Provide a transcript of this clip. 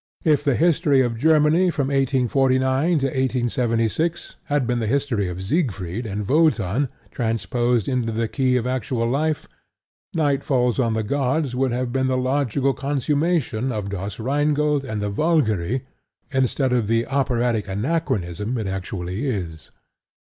If the history of Germany from 1849 to 1876 had been the history of Siegfried and Wotan transposed into the key of actual life Night Falls On The Gods would have been the logical consummation of Das Rheingold and The Valkyrie instead of the operatic anachronism it actually is.